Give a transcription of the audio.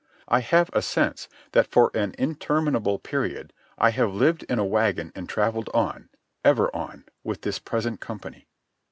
I have a sense that for an interminable period I have lived in a wagon and travelled on, ever on, with this present company.